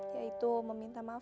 yaitu meminta maaf